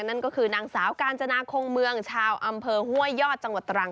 นั่นก็คือนางสาวกาญจนาคงเมืองชาวอำเภอห้วยยอดจังหวัดตรัง